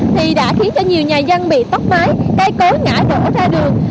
thì đã khiến cho nhiều nhà dân bị tốc mái cây cối ngã đổ ra đường